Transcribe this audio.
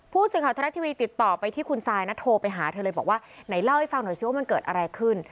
ผู้สื่อข่าวทรัฐทีวีติดต่อไปที่คุณซายนะโทรไปหาเธอเลยบอกว่าไหนเล่าให้ฟังหน่อยสิว่ามันเกิดอะไรขึ้น